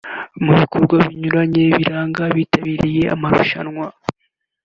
Mu bikorwa binyuranye biranga abitabiriye amarushanwa